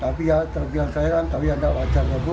tapi ya tergian saya kan tapi ya enggak wajar ya bu